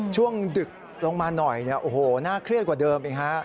ช่วงดึกลงมาหน่อยโอ้โฮน่าเครียดกว่าเดิม